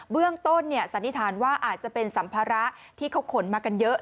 เบื้องต้นสันนิษฐานว่าอาจจะเป็นสัมภาระที่เขาขนมากันเยอะ